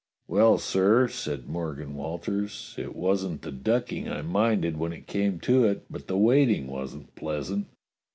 "Well, sir," said Morgan Walters, "it wasn't the ducking I minded when it came to it, but the waiting wasn't pleasant."